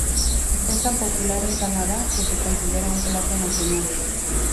Es tan popular en Canadá que se considera un plato nacional.